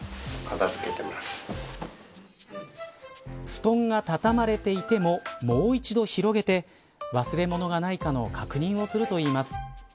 布団が畳まれていてももう一度広げて忘れ物がないかの確認をするといいます。